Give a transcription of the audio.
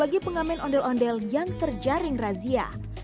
bagi pengamen ondel ondel yang terjaring razia